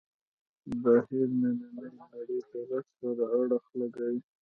بهیر نننۍ نړۍ درک سره اړخ لګوي.